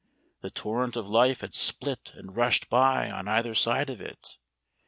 The torrent of life had split and rushed by on either side of it.